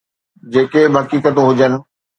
جيڪي به حقيقتون هجن.